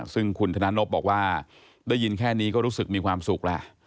ซึ่งคุณธนานนพบอกว่าได้ยินแค่นี้ก็รู้สึกมีความสุขแล้ว